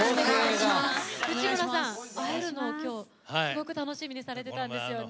内村さん、会えるのを今日、すごく楽しみにされてたんですよね。